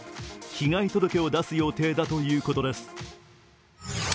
被害届を出す予定だということです。